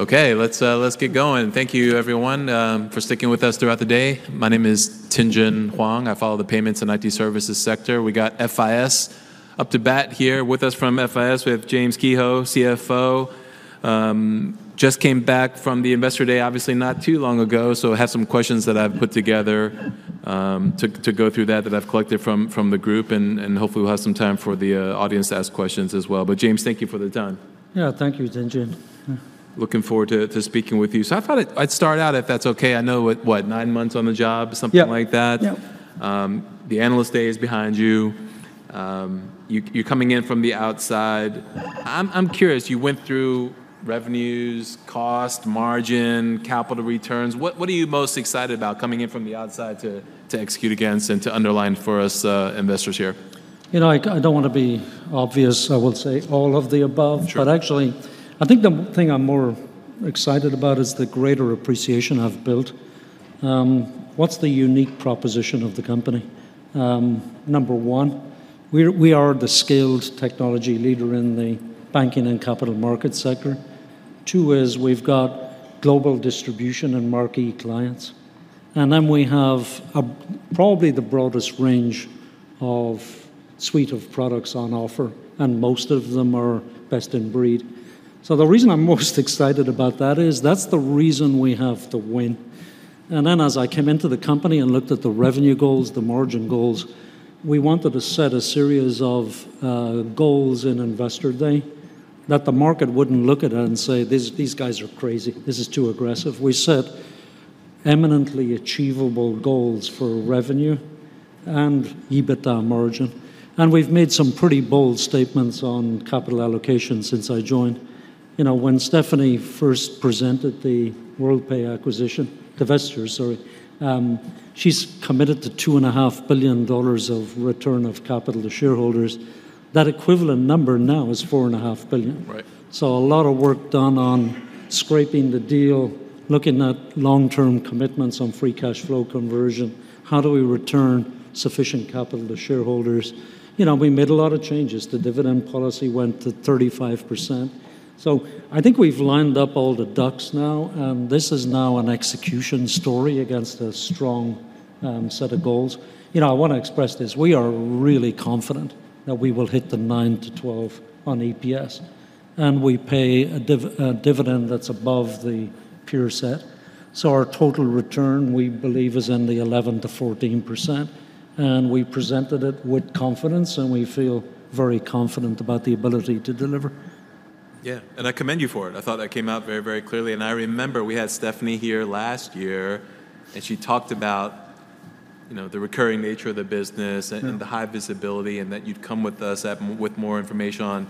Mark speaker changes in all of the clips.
Speaker 1: Okay, let's get going. Thank you, everyone, for sticking with us throughout the day. My name is Tien-tsin Huang. I follow the payments and IT services sector. We got FIS up to bat here. With us from FIS, we have James Kehoe, CFO. Just came back from the Investor Day, obviously not too long ago, so I have some questions that I've put together to go through that I've collected from the group, and hopefully we'll have some time for the audience to ask questions as well. But James, thank you for the time.
Speaker 2: Yeah, thank you, Tien-tsin.
Speaker 1: Looking forward to speaking with you. So I thought I'd start out, if that's okay? I know what, nine months on the job, something like that?
Speaker 2: Yep, yep.
Speaker 1: The Analyst Day is behind you. You're coming in from the outside. I'm curious, you went through revenues, cost, margin, capital returns. What are you most excited about coming in from the outside to execute against and to underline for us, investors here?
Speaker 2: You know, I don't want to be obvious. I will say all of the above.
Speaker 1: Sure.
Speaker 2: But actually, I think the thing I'm more excited about is the greater appreciation I've built. What's the unique proposition of the company? Number one, we're, we are the skilled technology leader in the banking and capital market sector. Two is, we've got global distribution and marquee clients, and then we have probably the broadest range of suite of products on offer, and most of them are best in breed. So the reason I'm most excited about that is that's the reason we have to win. And then, as I came into the company and looked at the revenue goals, the margin goals, we wanted to set a series of goals in Investor Day, that the market wouldn't look at it and say, "These, these guys are crazy. This is too aggressive." We set eminently achievable goals for revenue and EBITDA margin, and we've made some pretty bold statements on capital allocation since I joined. You know, when Stephanie first presented the Worldpay acquisition to investors, sorry, she's committed to $2.5 billion of return of capital to shareholders. That equivalent number now is $4.5 billion.
Speaker 1: Right.
Speaker 2: So a lot of work done on scraping the deal, looking at long-term commitments on free cash flow conversion. How do we return sufficient capital to shareholders? You know, we made a lot of changes. The dividend policy went to 35%. So I think we've lined up all the ducks now, and this is now an execution story against a strong set of goals. You know, I want to express this: we are really confident that we will hit the 9-12 on EPS, and we pay a dividend that's above the peer set. So our total return, we believe, is in the 11%-14%, and we presented it with confidence, and we feel very confident about the ability to deliver.
Speaker 1: Yeah, and I commend you for it. I thought that came out very, very clearly. And I remember we had Stephanie here last year, and she talked about, you know, the recurring nature of the business-
Speaker 2: Mm...
Speaker 1: and the high visibility, and that you'd come with us at, with more information on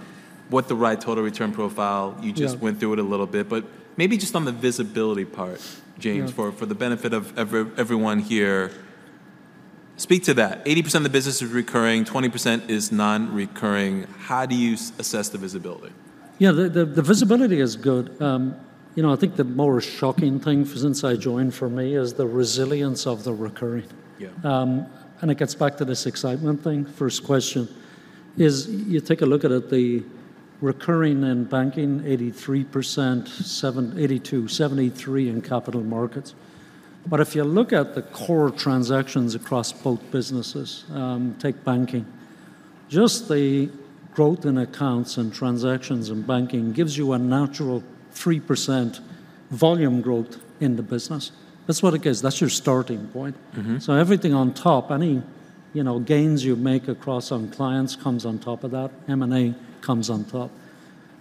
Speaker 1: what the right total return profile.
Speaker 2: Yeah.
Speaker 1: You just went through it a little bit, but maybe just on the visibility part-
Speaker 2: Yeah...
Speaker 1: James, for the benefit of everyone here, speak to that. 80% of the business is recurring, 20% is non-recurring. How do you assess the visibility?
Speaker 2: Yeah, the visibility is good. You know, I think the more shocking thing since I joined, for me, is the resilience of the recurring.
Speaker 1: Yeah.
Speaker 2: And it gets back to this excitement thing. First question is, you take a look at it, the recurring in banking, 83%, 82%, 73% in capital markets. But if you look at the core transactions across both businesses, take banking, just the growth in accounts and transactions in banking gives you a natural 3% volume growth in the business. That's what it is. That's your starting point.
Speaker 1: Mm-hmm.
Speaker 2: So everything on top, any, you know, gains you make across on clients, comes on top of that. M&A comes on top.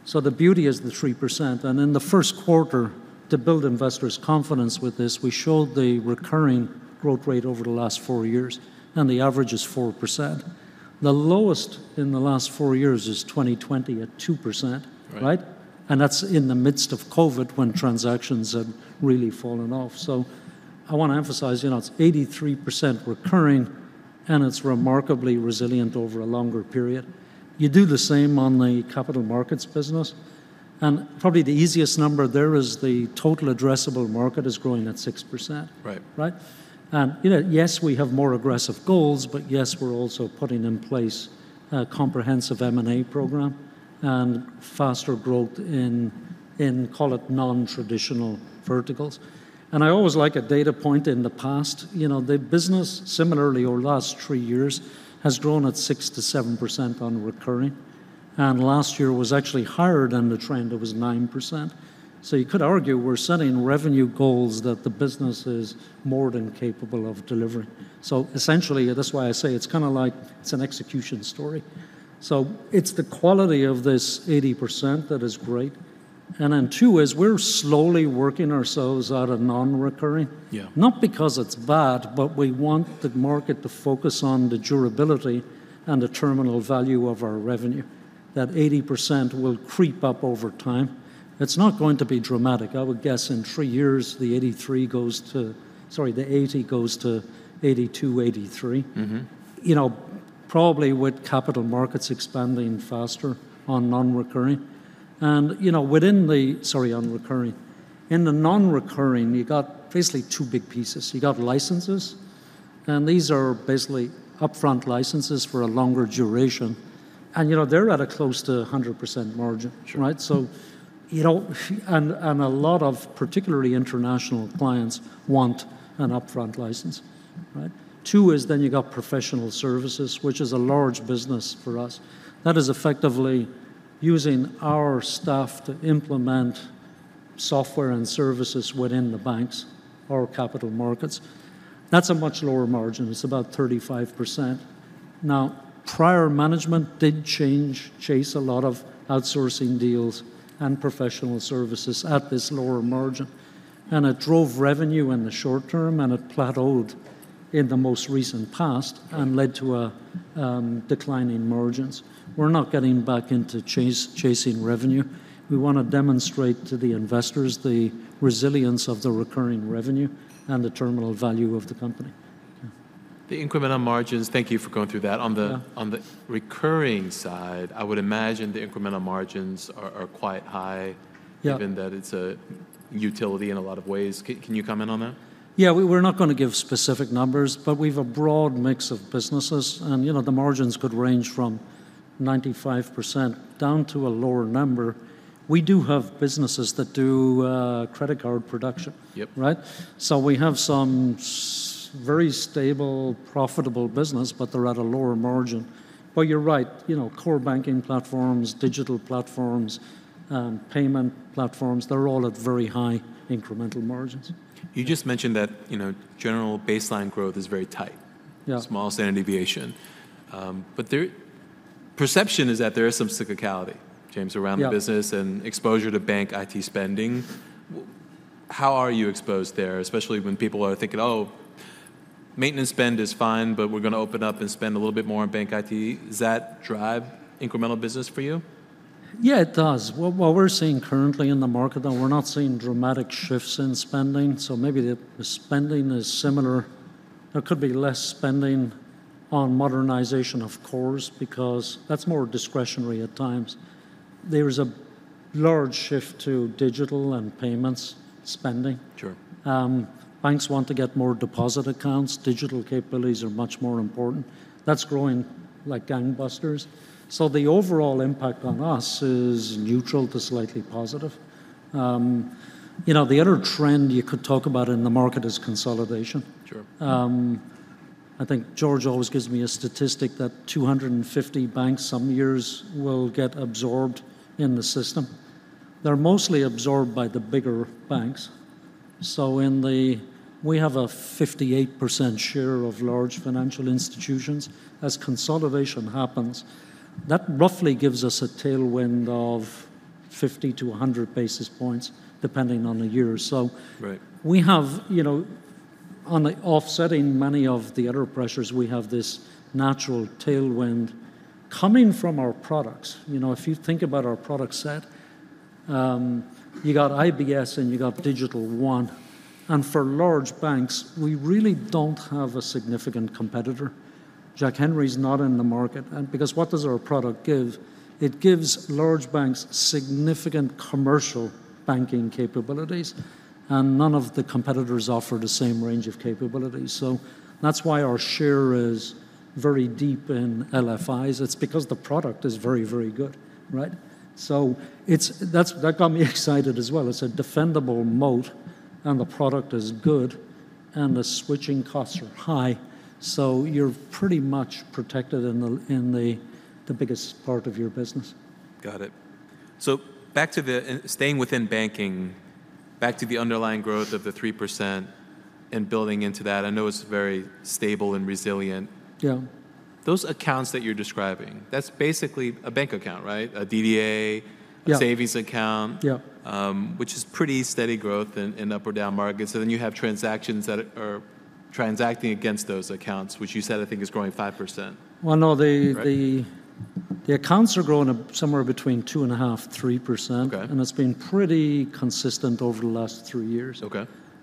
Speaker 2: So the beauty is the 3%, and in the first quarter, to build investors' confidence with this, we showed the recurring growth rate over the last four years, and the average is 4%. The lowest in the last four years is 2020 at 2%.
Speaker 1: Right.
Speaker 2: Right? And that's in the midst of COVID, when transactions had really fallen off. So I want to emphasize, you know, it's 83% recurring, and it's remarkably resilient over a longer period. You do the same on the capital markets business, and probably the easiest number there is the total addressable market is growing at 6%.
Speaker 1: Right.
Speaker 2: Right? And, you know, yes, we have more aggressive goals, but yes, we're also putting in place a comprehensive M&A program and faster growth in call it non-traditional verticals. And I always like a data point in the past. You know, the business, similarly, over the last 3 years, has grown at 6%-7% on recurring, and last year was actually higher than the trend. It was 9%. So you could argue we're setting revenue goals that the business is more than capable of delivering. So essentially, that's why I say it's kind of like it's an execution story. So it's the quality of this 80% that is great, and then two is we're slowly working ourselves out of non-recurring.
Speaker 1: Yeah.
Speaker 2: Not because it's bad, but we want the market to focus on the durability and the terminal value of our revenue. That 80% will creep up over time. It's not going to be dramatic. I would guess in 3 years, the 83 goes to... Sorry, the 80 goes to 82, 83.
Speaker 1: Mm-hmm.
Speaker 2: You know, probably with capital markets expanding faster on non-recurring. And, you know, within the... Sorry, on recurring. In the non-recurring, you got basically two big pieces. You got licenses and these are basically upfront licenses for a longer duration, and, you know, they're at close to 100% margin, right? So, you know, and a lot of particularly international clients want an upfront license, right? Two is then you've got professional services, which is a large business for us. That is effectively using our staff to implement software and services within the banks or capital markets. That's a much lower margin. It's about 35%. Now, prior management did chase a lot of outsourcing deals and professional services at this lower margin, and it drove revenue in the short term, and it plateaued in the most recent past-
Speaker 1: Sure...
Speaker 2: and led to a decline in margins. We're not getting back into chasing revenue. We want to demonstrate to the investors the resilience of the recurring revenue and the terminal value of the company.
Speaker 1: The incremental margins... Thank you for going through that.
Speaker 2: Yeah.
Speaker 1: On the recurring side, I would imagine the incremental margins are quite high-
Speaker 2: Yeah
Speaker 1: Given that it's a utility in a lot of ways. Can you comment on that?
Speaker 2: Yeah. We're not going to give specific numbers, but we've a broad mix of businesses, and, you know, the margins could range from 95% down to a lower number. We do have businesses that do credit card production.
Speaker 1: Yep.
Speaker 2: Right? So we have some very stable, profitable business, but they're at a lower margin. But you're right, you know, core banking platforms, digital platforms, payment platforms, they're all at very high incremental margins.
Speaker 1: You just mentioned that, you know, general baseline growth is very tight.
Speaker 2: Yeah.
Speaker 1: Small standard deviation. Perception is that there is some cyclicality, James.
Speaker 2: Yeah
Speaker 1: around the business and exposure to bank IT spending. How are you exposed there, especially when people are thinking, "Oh, maintenance spend is fine, but we're going to open up and spend a little bit more on bank IT"? Does that drive incremental business for you?
Speaker 2: Yeah, it does. What we're seeing currently in the market, though, we're not seeing dramatic shifts in spending, so maybe the spending is similar. There could be less spending on modernization, of course, because that's more discretionary at times. There is a large shift to digital and payments spending.
Speaker 1: Sure.
Speaker 2: Banks want to get more deposit accounts. Digital capabilities are much more important. That's growing like gangbusters. So the overall impact on us is neutral to slightly positive. You know, the other trend you could talk about in the market is consolidation.
Speaker 1: Sure.
Speaker 2: I think George always gives me a statistic that 250 banks some years will get absorbed in the system. They're mostly absorbed by the bigger banks. So we have a 58% share of large financial institutions. As consolidation happens, that roughly gives us a tailwind of 50-100 basis points, depending on the year or so.
Speaker 1: Right.
Speaker 2: We have, you know, on the offsetting many of the other pressures, we have this natural tailwind coming from our products. You know, if you think about our product set, you got IBS, and you got Digital One, and for large banks, we really don't have a significant competitor. Jack Henry's not in the market, and because what does our product give? It gives large banks significant commercial banking capabilities, and none of the competitors offer the same range of capabilities. So that's why our share is very deep in LFIs. It's because the product is very, very good, right? So it's. That's that got me excited as well. It's a defendable moat, and the product is good, and the switching costs are high, so you're pretty much protected in the, in the, the biggest part of your business.
Speaker 1: Got it. So back to the... And staying within banking, back to the underlying growth of the 3% and building into that, I know it's very stable and resilient.
Speaker 2: Yeah.
Speaker 1: Those accounts that you're describing, that's basically a bank account, right? A DDA-
Speaker 2: Yeah...
Speaker 1: a savings account-
Speaker 2: Yeah...
Speaker 1: which is pretty steady growth in up or down markets, so then you have transactions that are transacting against those accounts, which you said, I think, is growing 5%.
Speaker 2: Well, no, the-
Speaker 1: Right...
Speaker 2: the accounts are growing at somewhere between 2.5%-3%.
Speaker 1: Okay.
Speaker 2: It's been pretty consistent over the last three years.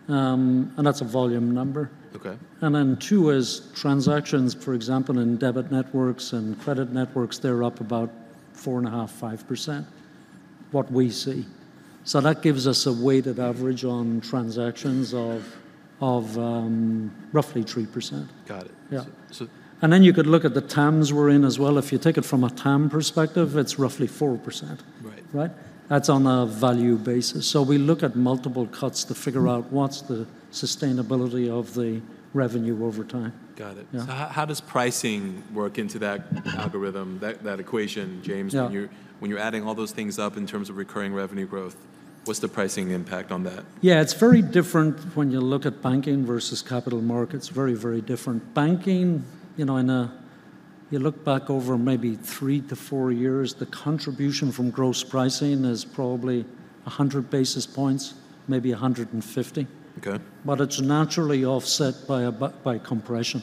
Speaker 1: Okay.
Speaker 2: That's a volume number.
Speaker 1: Okay.
Speaker 2: Then, two is transactions, for example, in debit networks and credit networks, they're up about 4.5-5%, what we see. So that gives us a weighted average on transactions of roughly 3%.
Speaker 1: Got it.
Speaker 2: Yeah.
Speaker 1: So-
Speaker 2: And then, you could look at the TAMs we're in as well. If you take it from a TAM perspective, it's roughly 4%.
Speaker 1: Right.
Speaker 2: Right? That's on a value basis. So we look at multiple cuts to figure out what's the sustainability of the revenue over time.
Speaker 1: Got it.
Speaker 2: Yeah.
Speaker 1: So how does pricing work into that algorithm, that equation, James?
Speaker 2: Yeah.
Speaker 1: When you're adding all those things up in terms of recurring revenue growth, what's the pricing impact on that?
Speaker 2: Yeah, it's very different when you look at banking versus capital markets. Very, very different. Banking, you know... You look back over maybe 3-4 years, the contribution from gross pricing is probably 100 basis points, maybe 150.
Speaker 1: Okay.
Speaker 2: But it's naturally offset by compression.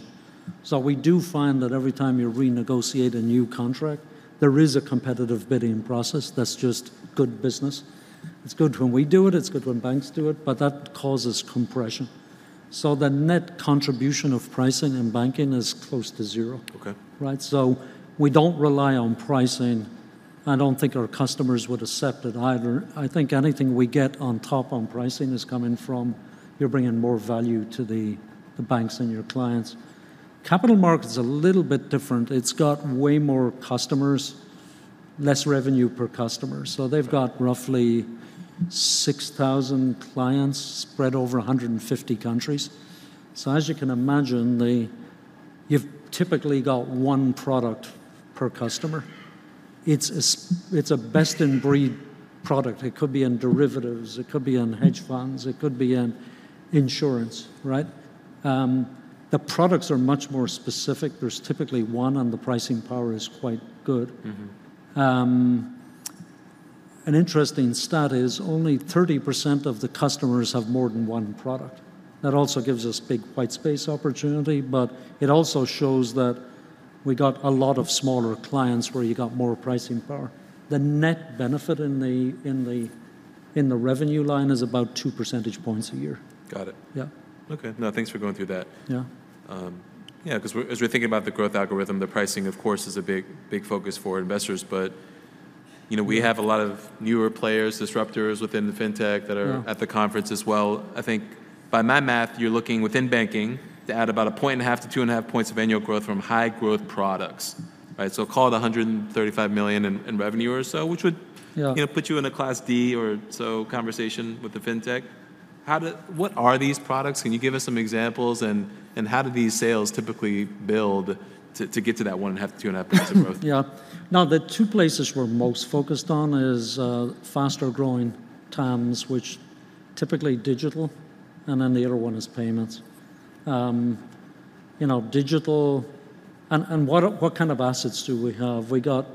Speaker 2: So we do find that every time you renegotiate a new contract, there is a competitive bidding process. That's just good business. It's good when we do it, it's good when banks do it, but that causes compression. So the net contribution of pricing in banking is close to zero.
Speaker 1: Okay.
Speaker 2: Right? So we don't rely on pricing. I don't think our customers would accept it either. I think anything we get on top on pricing is coming from, you're bringing more value to the banks and your clients. Capital Markets is a little bit different. It's got way more customers, less revenue per customer. So they've got roughly 6,000 clients spread over 150 countries. So as you can imagine, you've typically got one product per customer. It's a best-in-breed product. It could be in derivatives, it could be in hedge funds, it could be in insurance, right? The products are much more specific. There's typically one, and the pricing power is quite good.
Speaker 1: Mm-hmm.
Speaker 2: An interesting stat is only 30% of the customers have more than one product. That also gives us big white space opportunity, but it also shows that we got a lot of smaller clients where you got more pricing power. The net benefit in the revenue line is about two percentage points a year.
Speaker 1: Got it.
Speaker 2: Yeah.
Speaker 1: Okay. No, thanks for going through that.
Speaker 2: Yeah.
Speaker 1: Yeah, 'cause we're, as we're thinking about the growth algorithm, the pricing, of course, is a big, big focus for investors. But, you know-
Speaker 2: Yeah...
Speaker 1: we have a lot of newer players, disruptors within the fintech that are-
Speaker 2: Yeah...
Speaker 1: at the conference as well. I think, by my math, you're looking within banking to add about 1.5-2.5 points of annual growth from high-growth products, right? So call it $135 million in revenue or so, which would-
Speaker 2: Yeah...
Speaker 1: you know, put you in a Class D or so conversation with the fintech. What are these products? Can you give us some examples, and how do these sales typically build to get to that 1.5-2.5 points of growth?
Speaker 2: Yeah. Now, the two places we're most focused on is faster-growing TAMs, which typically digital, and then the other one is payments. You know, digital and what kind of assets do we have? We got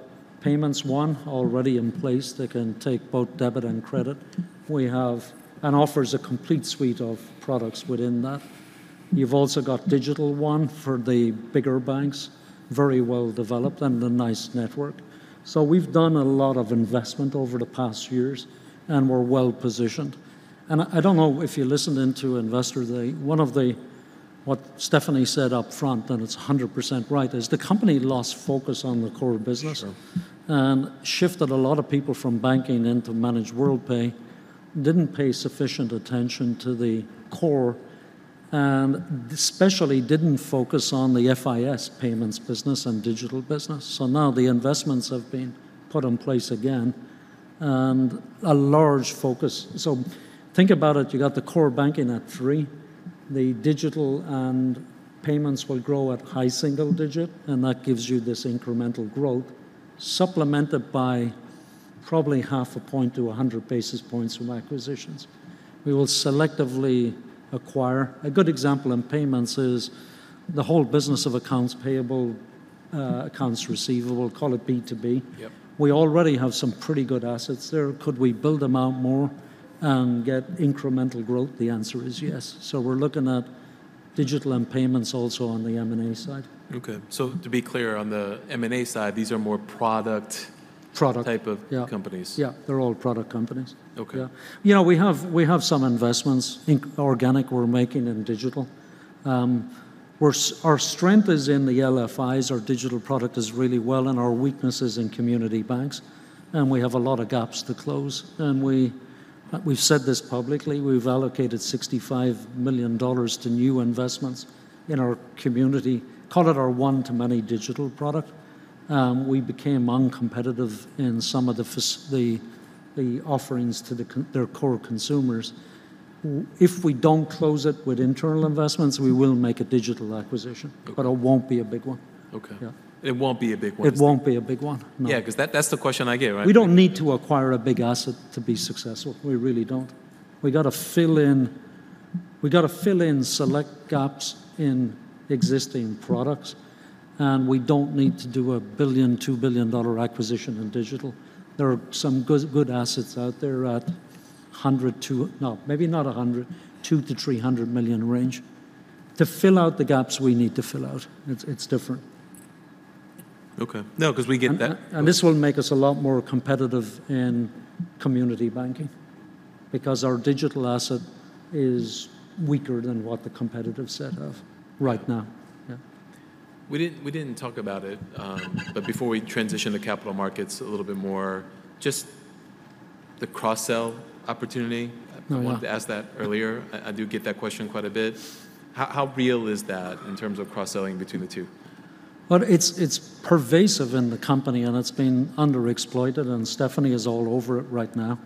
Speaker 2: Payments One already in place that can take both debit and credit. We have and offers a complete suite of products within that. You've also got Digital One for the bigger banks, very well developed, and a NYCE network. So we've done a lot of investment over the past years, and we're well-positioned. And I don't know if you listened in to Investor Day, one of the what Stephanie said up front, and it's 100% right, is the company lost focus on the core business-
Speaker 1: Sure...
Speaker 2: and shifted a lot of people from banking into Managed Worldpay, didn't pay sufficient attention to the core, and especially didn't focus on the FIS payments business and digital business. So now the investments have been put in place again, and a large focus... So think about it: You got the core banking at 3, the digital and payments will grow at high single digit, and that gives you this incremental growth, supplemented by probably half a point to 100 basis points from acquisitions. We will selectively acquire. A good example in payments is the whole business of accounts payable, accounts receivable, call it B2B.
Speaker 1: Yep.
Speaker 2: We already have some pretty good assets there. Could we build them out more and get incremental growth? The answer is yes. So we're looking at digital and payments also on the M&A side.
Speaker 1: Okay. So to be clear, on the M&A side, these are more product-
Speaker 2: Product...
Speaker 1: type of companies.
Speaker 2: Yeah, yeah. They're all product companies.
Speaker 1: Okay.
Speaker 2: Yeah. You know, we have, we have some investments in organic we're making in digital. We're our strength is in the LFIs. Our digital product is really well, and our weakness is in community banks, and we have a lot of gaps to close. And we, we've said this publicly, we've allocated $65 million to new investments in our community. Call it our one-to-many digital product. We became uncompetitive in some of the the offerings to their core consumers. If we don't close it with internal investments, we will make a digital acquisition.
Speaker 1: Okay.
Speaker 2: But it won't be a big one.
Speaker 1: Okay.
Speaker 2: Yeah.
Speaker 1: It won't be a big one?
Speaker 2: It won't be a big one, no.
Speaker 1: Yeah, 'cause that, that's the question I get, right?
Speaker 2: We don't need to acquire a big asset to be successful. We really don't. We've got to fill in, we've got to fill in select gaps in existing products, and we don't need to do a $1 billion-$2 billion acquisition in digital. There are some good, good assets out there at $100 million to... No, maybe not $100 million, $200 million-$300 million range, to fill out the gaps we need to fill out. It's, it's different.
Speaker 1: Okay. No, 'cause we get that.
Speaker 2: And this will make us a lot more competitive in community banking because our digital asset is weaker than what the competitive set have right now.
Speaker 1: Yeah.
Speaker 2: Yeah.
Speaker 1: We didn't, we didn't talk about it, but before we transition to capital markets a little bit more, just the cross-sell opportunity-
Speaker 2: Yeah...
Speaker 1: I wanted to ask that earlier. I do get that question quite a bit. How real is that in terms of cross-selling between the two?
Speaker 2: Well, it's, it's pervasive in the company, and it's been underexploited, and Stephanie is all over it right now.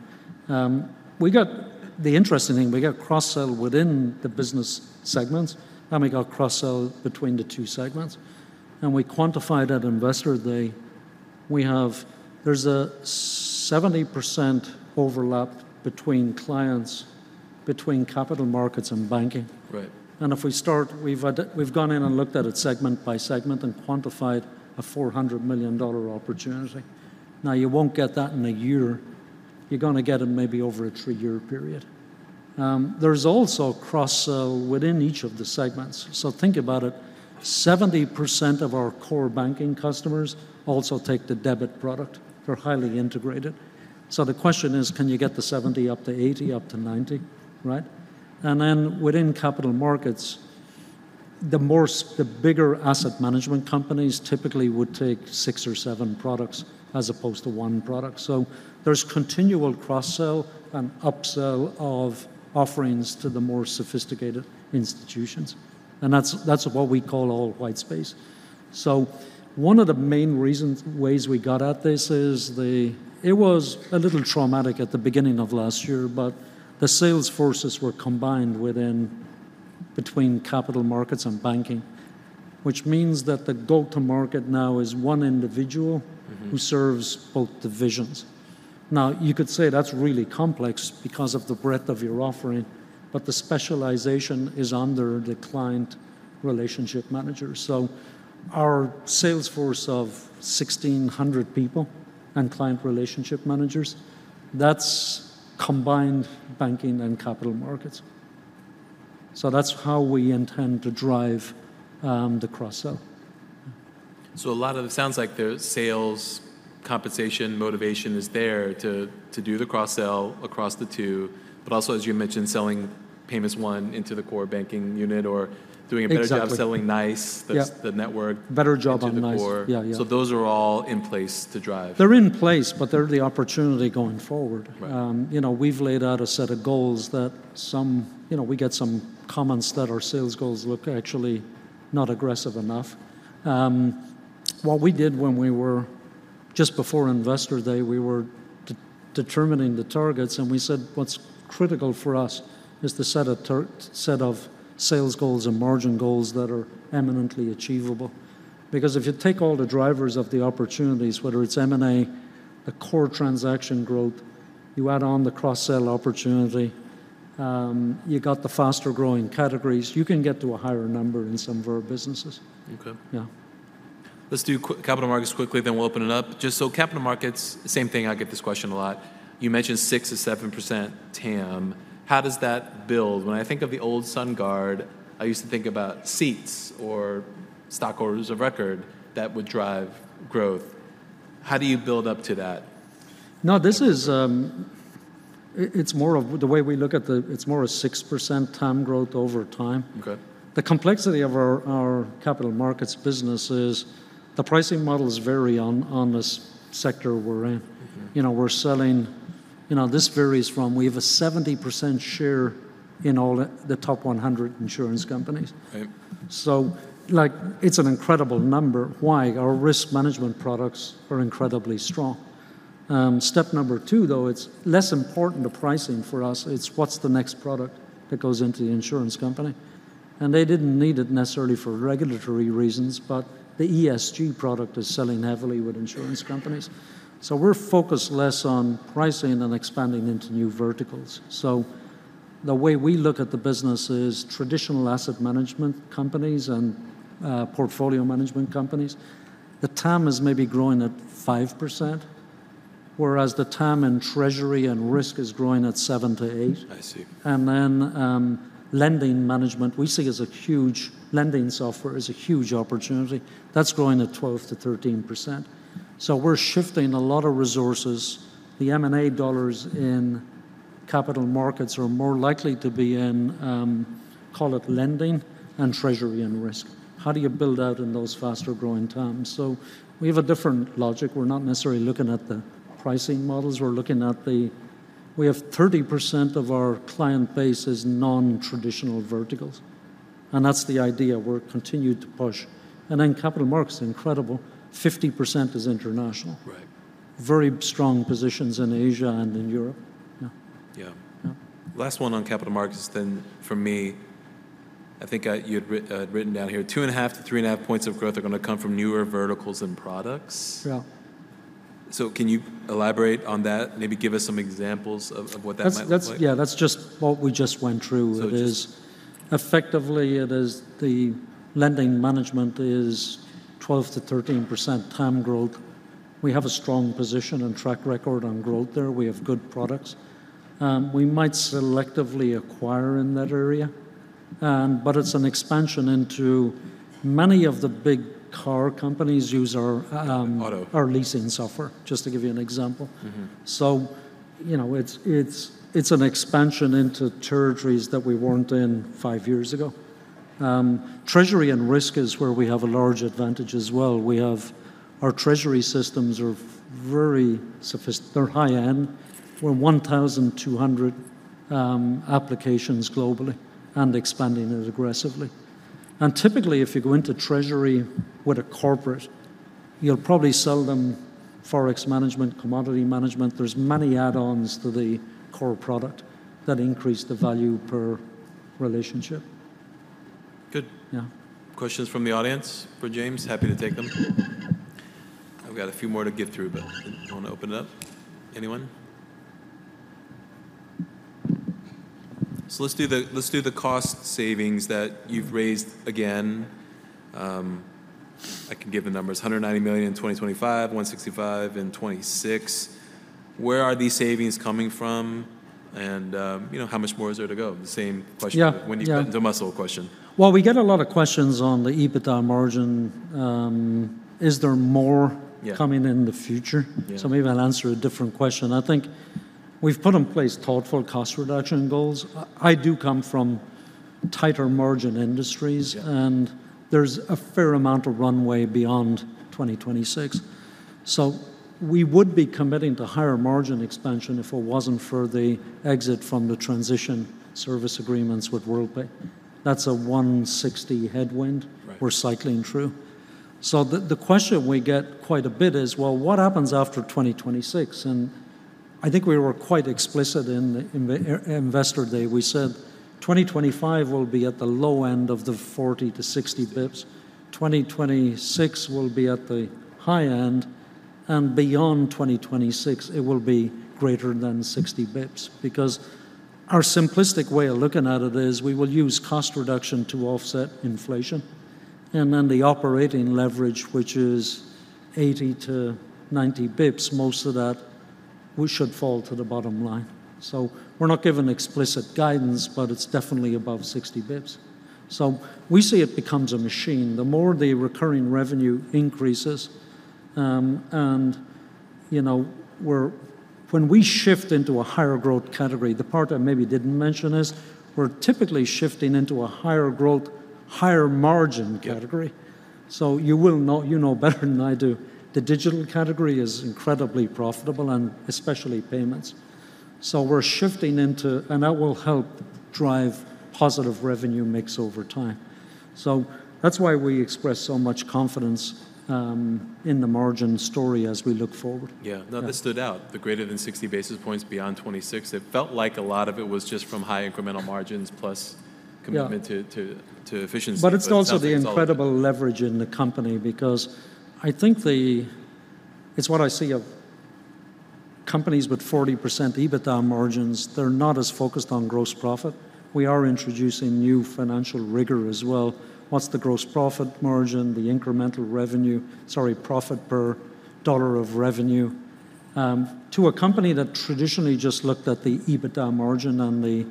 Speaker 2: The interesting thing, we got cross-sell within the business segments, and we got cross-sell between the two segments, and we quantified at Investor Day. We have. There's a 70% overlap between clients, between capital markets and banking.
Speaker 1: Right.
Speaker 2: And if we start, we've had it, we've gone in and looked at it segment by segment and quantified a $400 million opportunity. Now, you won't get that in a year. You're gonna get it maybe over a 3-year period. There's also a cross-sell within each of the segments. So think about it: 70% of our core banking customers also take the debit product. They're highly integrated. So the question is, can you get the 70% up to 80%, up to 90%, right? And then, within capital markets, the more, the bigger asset management companies typically would take 6 or 7 products as opposed to 1 product. So there's continual cross-sell and upsell of offerings to the more sophisticated institutions, and that's what we call all white space. One of the main reasons is that it was a little traumatic at the beginning of last year, but the sales forces were combined within, between Capital Markets and Banking, which means that the go-to-market now is one individual-
Speaker 1: Mm-hmm.
Speaker 2: —who serves both divisions. Now, you could say that's really complex because of the breadth of your offering, but the specialization is under the client relationship manager. So our sales force of 1,600 people and client relationship managers, that's combined banking and capital markets. So that's how we intend to drive the cross-sell.
Speaker 1: So a lot of it sounds like the sales compensation motivation is there to do the cross-sell across the two, but also, as you mentioned, selling Payments One into the core banking unit or doing a better-
Speaker 2: Exactly.
Speaker 1: -job selling NYCE.
Speaker 2: Yeah.
Speaker 1: That's the network-
Speaker 2: Better job on NYCE.
Speaker 1: -into the core.
Speaker 2: Yeah, yeah.
Speaker 1: Those are all in place to drive.
Speaker 2: They're in place, but they're the opportunity going forward.
Speaker 1: Right.
Speaker 2: You know, we've laid out a set of goals that some... You know, we get some comments that our sales goals look actually not aggressive enough. What we did when we were, just before Investor Day, we were determining the targets, and we said, "What's critical for us is to set a set of sales goals and margin goals that are eminently achievable." Because if you take all the drivers of the opportunities, whether it's M&A, the core transaction growth, you add on the cross-sell opportunity, you got the faster-growing categories, you can get to a higher number in some of our businesses.
Speaker 1: Okay.
Speaker 2: Yeah.
Speaker 1: Let's do capital markets quickly, then we'll open it up. Just so capital markets, same thing, I get this question a lot. You mentioned 6%-7% TAM. How does that build? When I think of the old SunGard, I used to think about seats or stock orders of record that would drive growth. How do you build up to that?
Speaker 2: No, it's more of the way we look at the, it's more a 6% TAM growth over time.
Speaker 1: Okay.
Speaker 2: The complexity of our capital markets business is the pricing models vary on this sector we're in.
Speaker 1: Mm-hmm.
Speaker 2: You know, we're selling... You know, this varies from we have a 70% share in all the top 100 insurance companies.
Speaker 1: Right.
Speaker 2: So, like, it's an incredible number. Why? Our risk management products are incredibly strong. Step number two, though, it's less important the pricing for us, it's what's the next product that goes into the insurance company, and they didn't need it necessarily for regulatory reasons, but the ESG product is selling heavily with insurance companies. So we're focused less on pricing and then expanding into new verticals. So the way we look at the business is traditional asset management companies and, portfolio management companies. The TAM is maybe growing at 5%, whereas the TAM in treasury and risk is growing at 7%-8%.
Speaker 1: I see.
Speaker 2: And then, lending management, we see as a huge lending software is a huge opportunity. That's growing at 12%-13%. So we're shifting a lot of resources. The M&A dollars in capital markets are more likely to be in, call it lending and treasury and risk. How do you build out in those faster-growing terms? So we have a different logic. We're not necessarily looking at the pricing models, we're looking at the... We have 30% of our client base is non-traditional verticals, and that's the idea we're continued to push. And then capital markets, incredible, 50% is international.
Speaker 1: Right.
Speaker 2: Very strong positions in Asia and in Europe. Yeah.
Speaker 1: Yeah.
Speaker 2: Yeah.
Speaker 1: Last one on capital markets then for me, I think I, you had written down here, "2.5-3.5 points of growth are gonna come from newer verticals and products.
Speaker 2: Yeah.
Speaker 1: So can you elaborate on that? Maybe give us some examples of, of what that might look like.
Speaker 2: Yeah, that's just what we just went through.
Speaker 1: So just-
Speaker 2: It is, effectively, it is the lending management is 12%-13% TAM growth. We have a strong position and track record on growth there. We have good products. We might selectively acquire in that area, but it's an expansion into many of the big core companies use our-
Speaker 1: Auto...
Speaker 2: our leasing software, just to give you an example.
Speaker 1: Mm-hmm.
Speaker 2: So, you know, it's an expansion into territories that we weren't in 5 years ago. Treasury and risk is where we have a large advantage as well. Our treasury systems are very sophisticated—they're high-end. We're 1,200 applications globally and expanding it aggressively. And typically, if you go into treasury with a corporate, you'll probably sell them Forex management, commodity management. There's many add-ons to the core product that increase the value per relationship.
Speaker 1: Good.
Speaker 2: Yeah.
Speaker 1: Questions from the audience for James? Happy to take them. I've got a few more to get through, but I want to open it up. Anyone? So let's do the, let's do the cost savings that you've raised again. I can give the numbers: $190 million in 2025, $165 million in 2026. Where are these savings coming from, and, you know, how much more is there to go? The same question-
Speaker 2: Yeah, yeah.
Speaker 1: When you... The muscle question.
Speaker 2: Well, we get a lot of questions on the EBITDA margin. Is there more-
Speaker 1: Yeah...
Speaker 2: coming in the future?
Speaker 1: Yeah.
Speaker 2: So maybe I'll answer a different question. We've put in place thoughtful cost reduction goals. I do come from tighter margin industries-
Speaker 1: Yeah.
Speaker 2: And there's a fair amount of runway beyond 2026. So we would be committing to higher margin expansion if it wasn't for the exit from the transition service agreements with Worldpay. That's a 160 headwind-
Speaker 1: Right.
Speaker 2: We're cycling through. So the question we get quite a bit is, well, what happens after 2026? And I think we were quite explicit in the investor day. We said 2025 will be at the low end of the 40-60 basis points, 2026 will be at the high end, and beyond 2026 it will be greater than 60 basis points. Because our simplistic way of looking at it is we will use cost reduction to offset inflation, and then the operating leverage, which is 80-90 basis points, most of that, we should fall to the bottom line. So we're not giving explicit guidance, but it's definitely above 60 basis points. So we see it becomes a machine. The more the recurring revenue increases, and you know, when we shift into a higher growth category, the part I maybe didn't mention is, we're typically shifting into a higher growth, higher margin category. So you will know. You know better than I do, the digital category is incredibly profitable, and especially payments. So we're shifting and that will help drive positive revenue mix over time. So that's why we express so much confidence in the margin story as we look forward.
Speaker 1: Yeah. No, that stood out, the greater than 60 basis points beyond 2026. It felt like a lot of it was just from high incremental margins plus-
Speaker 2: Yeah...
Speaker 1: commitment to efficiency. But it's also-
Speaker 2: But it's also the incredible leverage in the company because I think it's what I see of companies with 40% EBITDA margins, they're not as focused on gross profit. We are introducing new financial rigor as well. What's the gross profit margin, the incremental revenue—sorry, profit per dollar of revenue, to a company that traditionally just looked at the EBITDA margin and the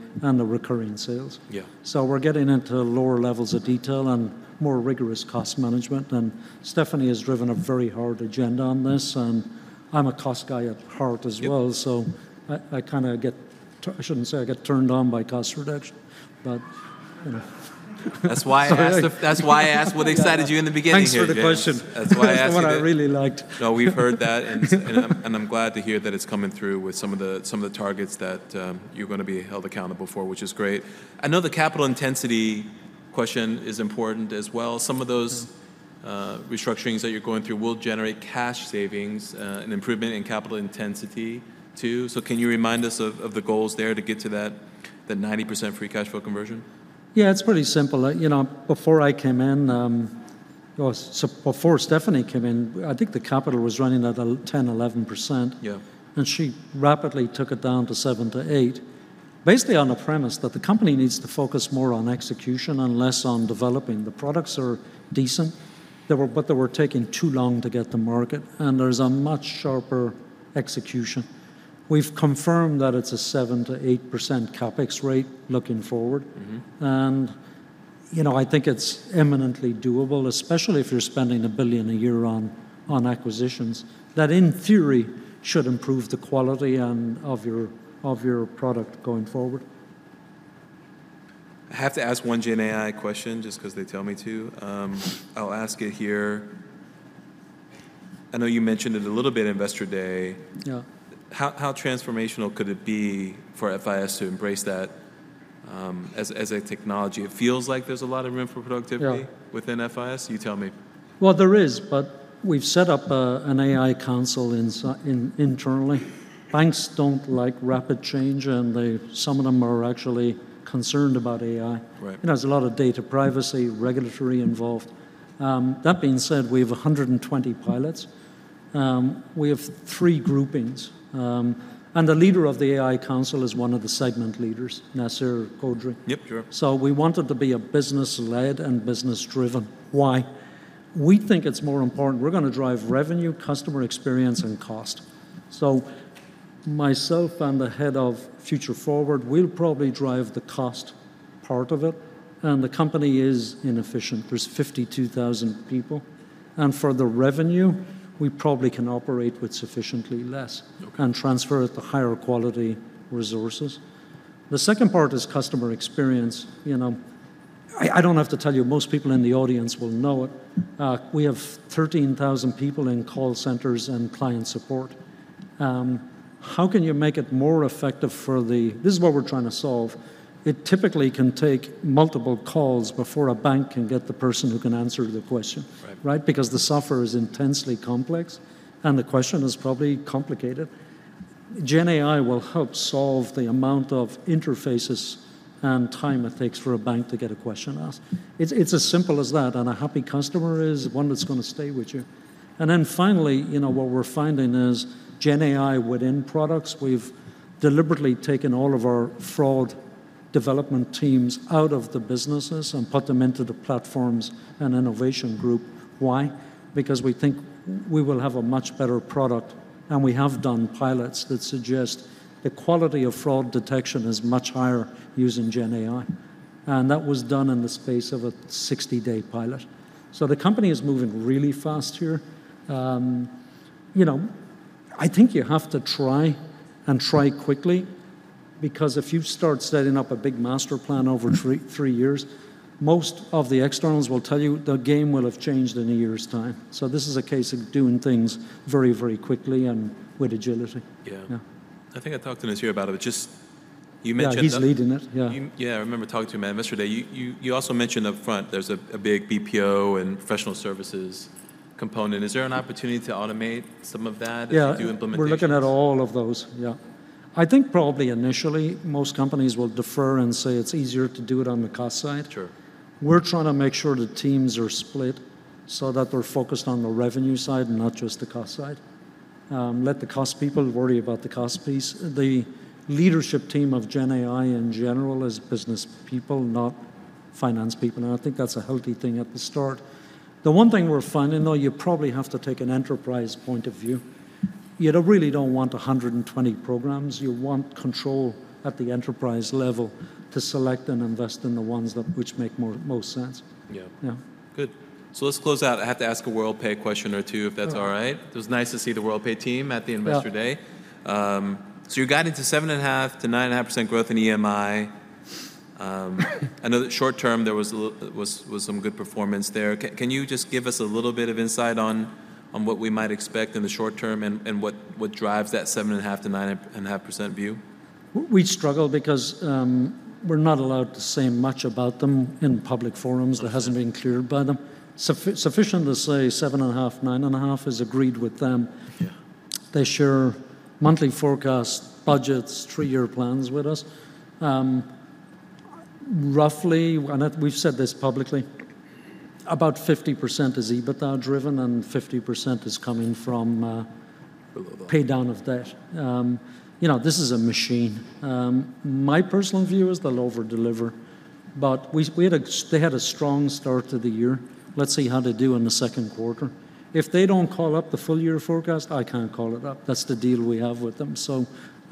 Speaker 2: recurring sales?
Speaker 1: Yeah.
Speaker 2: We're getting into lower levels of detail and more rigorous cost management, and Stephanie has driven a very hard agenda on this, and I'm a cost guy at heart as well.
Speaker 1: Yep.
Speaker 2: So, I shouldn't say I get turned on by cost reduction, but, you know.
Speaker 1: That's why I asked if-
Speaker 2: Sorry.
Speaker 1: That's why I asked what excited you in the beginning here, James.
Speaker 2: Thanks for the question.
Speaker 1: That's why I asked you that.
Speaker 2: That's one I really liked.
Speaker 1: No, we've heard that, and I'm glad to hear that it's coming through with some of the targets that you're going to be held accountable for, which is great. I know the capital intensity question is important as well. Some of those-
Speaker 2: Mm...
Speaker 1: restructurings that you're going through will generate cash savings, and improvement in capital intensity, too. So can you remind us of the goals there to get to that 90% free cash flow conversion?
Speaker 2: Yeah, it's pretty simple. You know, before I came in, so before Stephanie came in, I think the capital was running at a 10%-11%.
Speaker 1: Yeah.
Speaker 2: She rapidly took it down to 7-8, basically on the premise that the company needs to focus more on execution and less on developing. The products are decent, they were-- but they were taking too long to get to market, and there's a much sharper execution. We've confirmed that it's a 7%-8% CapEx rate looking forward.
Speaker 1: Mm-hmm.
Speaker 2: You know, I think it's imminently doable, especially if you're spending $1 billion a year on acquisitions. That, in theory, should improve the quality of your product going forward.
Speaker 1: I have to ask one Gen AI question, just 'cause they tell me to. I'll ask it here. I know you mentioned it a little bit, Investor Day.
Speaker 2: Yeah.
Speaker 1: How, how transformational could it be for FIS to embrace that, as a technology? It feels like there's a lot of room for productivity-
Speaker 2: Yeah...
Speaker 1: within FIS. You tell me.
Speaker 2: Well, there is, but we've set up an AI council internally. Banks don't like rapid change, and some of them are actually concerned about AI.
Speaker 1: Right.
Speaker 2: You know, there's a lot of data privacy, regulatory involved. That being said, we have 120 pilots. We have three groupings, and the leader of the AI council is one of the segment leaders, Nasser Khodri.
Speaker 1: Yep, sure.
Speaker 2: So we want it to be a business-led and business-driven. Why? We think it's more important. We're going to drive revenue, customer experience, and cost. So myself and the head of Future Forward, we'll probably drive the cost part of it, and the company is inefficient. There's 52,000 people, and for the revenue, we probably can operate with sufficiently less-
Speaker 1: Okay...
Speaker 2: and transfer it to higher quality resources. The second part is customer experience. You know, I, I don't have to tell you, most people in the audience will know it. We have 13,000 people in call centers and client support. How can you make it more effective for the... This is what we're trying to solve. It typically can take multiple calls before a bank can get the person who can answer the question.
Speaker 1: Right.
Speaker 2: Right? Because the software is intensely complex, and the question is probably complicated. Gen AI will help solve the amount of interfaces and time it takes for a bank to get a question asked. It's, it's as simple as that, and a happy customer is one that's going to stay with you. And then finally, you know, what we're finding is Gen AI within products, we've deliberately taken all of our fraud development teams out of the businesses and put them into the platforms and innovation group. Why? Because we think we will have a much better product, and we have done pilots that suggest the quality of fraud detection is much higher using Gen AI... and that was done in the space of a 60-day pilot. So the company is moving really fast here. You know, I think you have to try quickly, because if you start setting up a big master plan over 3 years, most of the externals will tell you the game will have changed in a year's time. So this is a case of doing things very, very quickly and with agility.
Speaker 1: Yeah.
Speaker 2: Yeah.
Speaker 1: I think I talked to Nasser about it, but just you mentioned-
Speaker 2: Yeah, he's leading it. Yeah.
Speaker 1: You. Yeah, I remember talking to him at Investor Day. You also mentioned up front there's a big BPO and professional services component. Is there an opportunity to automate some of that?
Speaker 2: Yeah
Speaker 1: as you do implementations?
Speaker 2: We're looking at all of those, yeah. I think probably initially, most companies will defer and say it's easier to do it on the cost side.
Speaker 1: Sure.
Speaker 2: We're trying to make sure the teams are split so that they're focused on the revenue side and not just the cost side. Let the cost people worry about the cost piece. The leadership team of Gen AI in general is businesspeople, not finance people, and I think that's a healthy thing at the start. The one thing we're finding, though, you probably have to take an enterprise point of view. You don't, really don't want 120 programs. You want control at the enterprise level to select and invest in the ones that, which make more, most sense.
Speaker 1: Yeah.
Speaker 2: Yeah.
Speaker 1: Good. So let's close out. I have to ask a Worldpay question or two, if that's all right.
Speaker 2: Sure.
Speaker 1: It was NYCE to see the Worldpay team at the Investor Day.
Speaker 2: Yeah.
Speaker 1: So you guided to 7.5%-9.5% growth in EMI. I know that short term, there was a little, some good performance there. Can you just give us a little bit of insight on what we might expect in the short term, and what drives that 7.5%-9.5% view?
Speaker 2: We struggle because, we're not allowed to say much about them in public forums-
Speaker 1: Okay...
Speaker 2: that hasn't been cleared by them. Sufficient to say 7.5-9.5 is agreed with them.
Speaker 1: Yeah.
Speaker 2: They share monthly forecasts, budgets, three-year plans with us. Roughly, and we've said this publicly, about 50% is EBITDA-driven, and 50% is coming from,
Speaker 1: Pay down...
Speaker 2: pay down of debt. You know, this is a machine. My personal view is they'll over-deliver, but they had a strong start to the year. Let's see how they do in the second quarter. If they don't call up the full-year forecast, I can't call it up. That's the deal we have with them.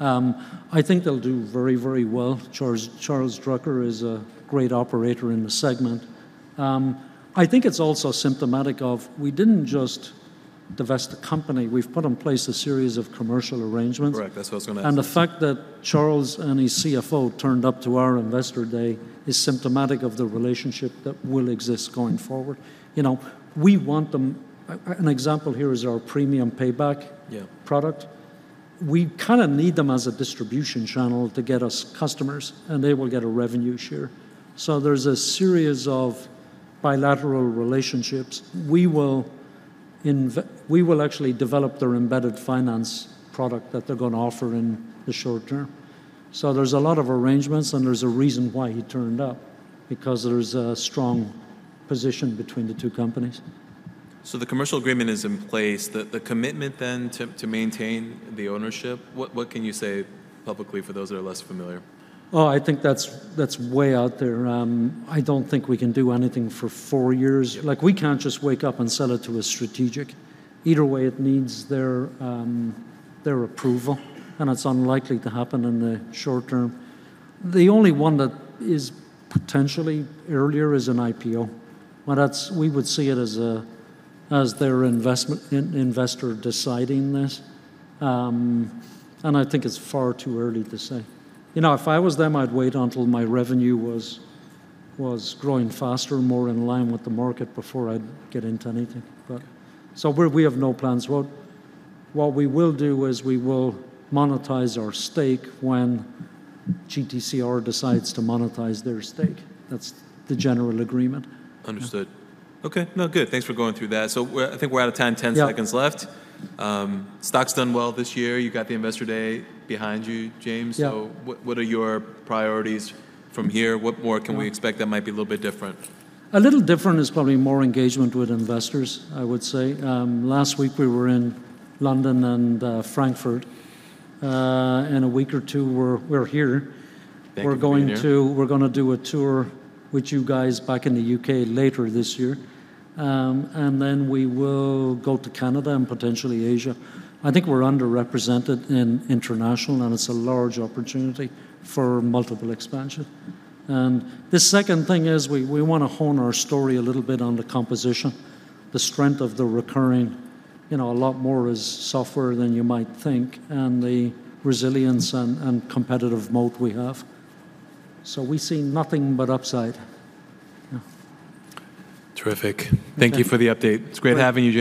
Speaker 2: So, I think they'll do very, very well. Charles Drucker is a great operator in the segment. I think it's also symptomatic of we didn't just divest the company. We've put in place a series of commercial arrangements.
Speaker 1: Correct, that's what I was gonna ask you.
Speaker 2: The fact that Charles and his CFO turned up to our Investor Day is symptomatic of the relationship that will exist going forward. You know, we want them... An example here is our Premium Payback-
Speaker 1: Yeah ...
Speaker 2: product. We kind of need them as a distribution channel to get us customers, and they will get a revenue share. So there's a series of bilateral relationships. We will actually develop their embedded finance product that they're gonna offer in the short term. So there's a lot of arrangements, and there's a reason why he turned up, because there's a strong position between the two companies.
Speaker 1: So the commercial agreement is in place. The commitment then to maintain the ownership, what can you say publicly for those that are less familiar?
Speaker 2: Oh, I think that's, that's way out there. I don't think we can do anything for four years.
Speaker 1: Yeah.
Speaker 2: Like, we can't just wake up and sell it to a strategic. Either way, it needs their, their approval, and it's unlikely to happen in the short term. The only one that is potentially earlier is an IPO, but that's—we would see it as a, as their investment, investor deciding this. And I think it's far too early to say. You know, if I was them, I'd wait until my revenue was, was growing faster and more in line with the market before I'd get into anything. But... So we, we have no plans. What, what we will do is we will monetize our stake when GTCR decides to monetize their stake. That's the general agreement.
Speaker 1: Understood.
Speaker 2: Yeah.
Speaker 1: Okay. No, good. Thanks for going through that. So we're, I think we're out of time.
Speaker 2: Yeah.
Speaker 1: Ten seconds left. Stock's done well this year. You got the Investor Day behind you, James.
Speaker 2: Yeah.
Speaker 1: So what are your priorities from here? What more-
Speaker 2: Yeah...
Speaker 1: can we expect that might be a little bit different?
Speaker 2: A little different is probably more engagement with investors, I would say. Last week we were in London and Frankfurt. In a week or two, we're here.
Speaker 1: Thank you for being here.
Speaker 2: We're gonna do a tour with you guys back in the UK later this year. And then we will go to Canada and potentially Asia. I think we're underrepresented in international, and it's a large opportunity for multiple expansion. And the second thing is we wanna hone our story a little bit on the composition, the strength of the recurring. You know, a lot more is softer than you might think, and the resilience and competitive moat we have. So we see nothing but upside. Yeah.
Speaker 1: Terrific.
Speaker 2: Okay.
Speaker 1: Thank you for the update. It's great having you, James.